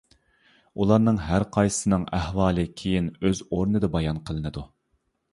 ئۇلارنىڭ ھەرقايسىسىنىڭ ئەھۋالى كېيىن ئۆز ئورنىدا بايان قىلىنىدۇ.